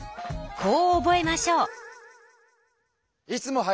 こう覚えましょう。